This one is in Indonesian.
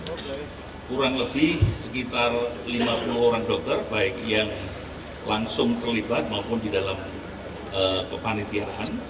kurang lebih sekitar lima puluh orang dokter baik yang langsung terlibat maupun di dalam kepanitiaan